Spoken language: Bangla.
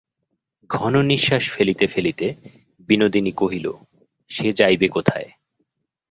ঘন নিশ্বাস ফেলিতে ফেলিতে বিনোদিনী কহিল, সে যাইবে কোথায়।